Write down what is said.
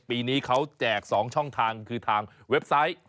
ปีนี้เขาแจก๒ช่องทางคือทางเว็บไซต์